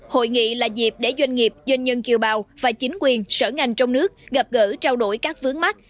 hội nghị là dịp để doanh nghiệp doanh nhân kiều bào và chính quyền sở ngành trong nước gặp gỡ trao đổi các vướng mắt